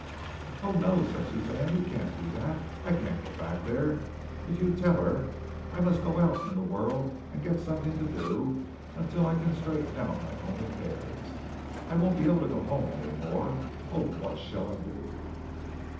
"Oh, no," said Suzanne, "you can't do that! I can't go back there, if you tell her. I must go out in the world and get something to do until I can straighten out my own affairs. I won't be able to go home any more. Oh, what shall I do?"